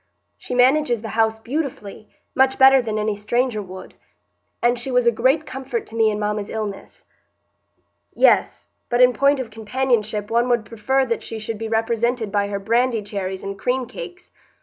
She manages the house beautifully,—much better than any stranger would,—and she was a great comfort to me in mamma's illness." "Yes, but in point of companionship one would prefer that she should be represented by her brandy cherries and cream cakes.